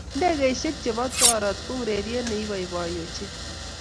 Ndegeishe che bo torot ko urerie ne iboiboi ochei.